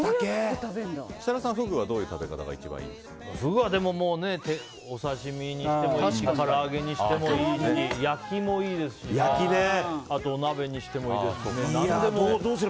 設楽さん、フグはどういう食べ方がフグは、でもお刺し身にしてもいいしからあげにもしてもいいし焼きもいいですしあと、お鍋にしてもいいですし。